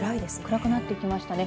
暗くなってきましたね。